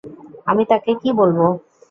আমি তাকে কী বলবো?